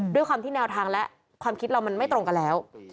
ด้วยความที่แนวทางและความคิดเรามันไม่ตรงกันแล้ว